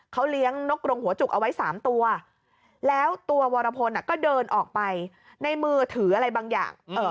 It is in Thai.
เขาเลี้ยงนกกรงหัวจุกเอาไว้๓ตัวแล้วตัววรพลก็เดินออกไปในมือถืออะไรบางอย่าง